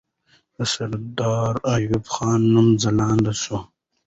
د سردار ایوب خان نوم ځلانده سو.